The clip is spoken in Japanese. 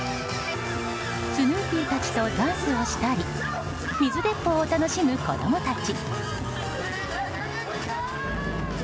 スヌーピーたちとダンスをしたり水鉄砲を楽しむ子供たち。